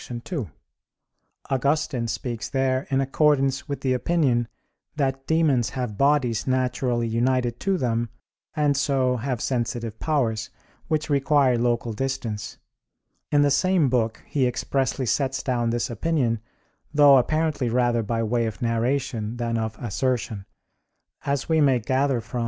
2: Augustine speaks there in accordance with the opinion that demons have bodies naturally united to them, and so have sensitive powers, which require local distance. In the same book he expressly sets down this opinion, though apparently rather by way of narration than of assertion, as we may gather from De Civ. Dei xxi, 10. Reply Obj.